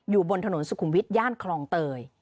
อยู่บนถนนสุขุมวิทย่านคลองเตย